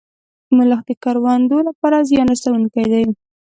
ملخ د کروندو لپاره زیان رسوونکی دی